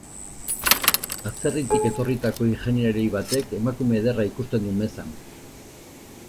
Atzerritik etorritako ingeniari batek emakume ederra ikusten du mezan.